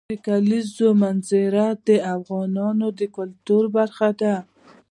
د کلیزو منظره د افغانانو د ګټورتیا برخه ده.